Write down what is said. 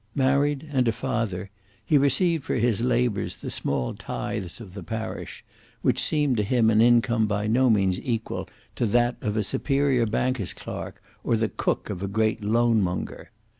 Married and a father he received for his labours the small tithes of the parish, which secured to him an income by no means equal to that of a superior banker's clerk, or the cook of a great loanmonger.